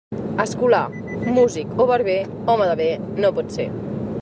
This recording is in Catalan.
Escolà, músic o barber, home de bé no pot ser.